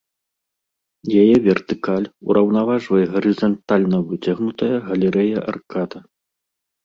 Яе вертыкаль ураўнаважвае гарызантальна выцягнутая галерэя-аркада.